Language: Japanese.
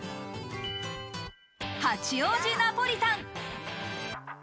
八王子ナポリタン。